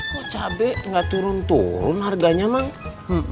kok cabe nggak turun turun harganya mas